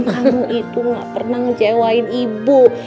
kamu itu gak pernah ngecewain ibu